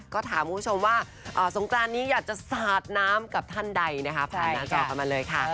ก็ถามคุณผู้ชมว่าสงกรานนี้อยากจะสาดน้ำกับท่านใดนะคะผ่านหน้าจอกันมาเลยค่ะ